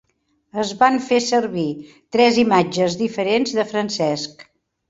Es van fer servir tres imatges diferents de Francesc.